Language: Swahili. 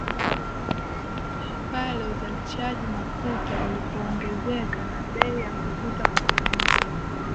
pale uzalishaji mafuta ulipoongezeka na bei ya mafuta kupanda